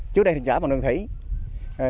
trước đây thì chở bằng đường thủy